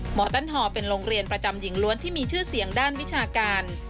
ต้นฮอเป็นโรงเรียนประจำหญิงล้วนที่มีชื่อเสียงด้านวิชาการ